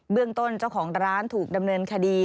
เรื่องต้นเจ้าของร้านถูกดำเนินคดี